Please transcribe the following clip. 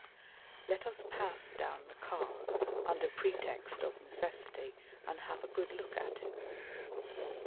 Let us pass down the car under pretext of necessity, and have a good look at him.